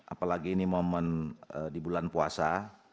apalagi ini momen di bulan puasa